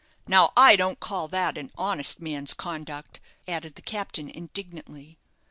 Now, I don't call that an honest man's conduct," added the captain, indignantly.